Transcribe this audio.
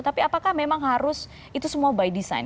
tapi apakah memang harus itu semua by design